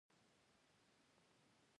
بوټونه باید هره ورځ پاک شي.